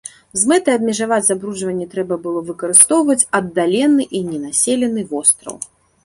З мэтай абмежаваць забруджванне трэба было выкарыстоўваць аддалены і ненаселены востраў.